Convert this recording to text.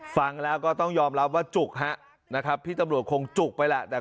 ฟังแล้วต้องยอมรับว่าจุกฮะพี่ตำรวจคงจุกไปและ